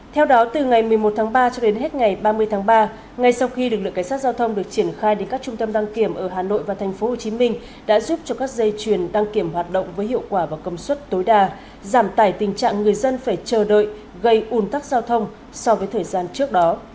theo đó từ ngày một mươi một tháng ba cho đến hết ngày ba mươi tháng ba ngay sau khi lực lượng cảnh sát giao thông được triển khai đến các trung tâm đăng kiểm ở hà nội và tp hcm đã giúp cho các dây chuyền đăng kiểm hoạt động với hiệu quả và công suất tối đa giảm tải tình trạng người dân phải chờ đợi gây ủn tắc giao thông so với thời gian trước đó